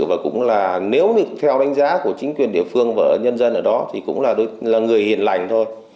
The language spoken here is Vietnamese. và cũng là nếu như theo đánh giá của chính quyền địa phương và nhân dân ở đó thì cũng là người hiền lành thôi